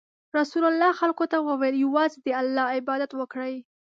رسول الله خلکو ته وویل: یوازې د الله عبادت وکړئ.